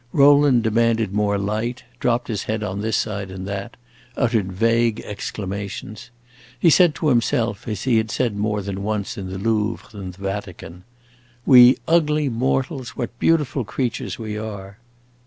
Rowland demanded more light, dropped his head on this side and that, uttered vague exclamations. He said to himself, as he had said more than once in the Louvre and the Vatican, "We ugly mortals, what beautiful creatures we are!"